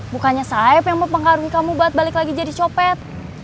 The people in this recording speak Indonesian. bukannya sayap yang mempengaruhi kamu buat balik lagi jadi copet